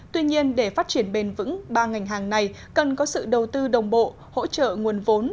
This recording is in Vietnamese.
tuy nhiên để phát triển bền vững ba ngành hàng này cần có sự đầu tư đồng bộ hỗ trợ nguồn vốn